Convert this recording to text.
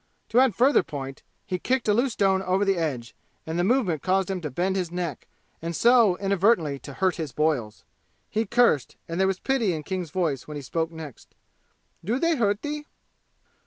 To add further point he kicked a loose stone over the edge, and the movement caused him to bend his neck and so inadvertently to hurt his boils. He cursed, and there was pity in King's voice when he spoke next. "Do they hurt thee?"